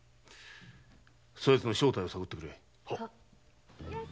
そやつの正体を探ってくれ。